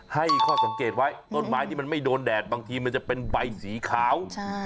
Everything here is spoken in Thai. ให้ข้อสังเกตไว้ต้นไม้ที่มันไม่โดนแดดบางทีมันจะเป็นใบสีขาว